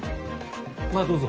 まあどうぞ。